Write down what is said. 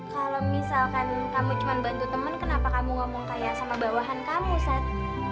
kalo misalkan kamu cuma bantu temen kenapa kamu ngomong kayak sama bawahan kamu sat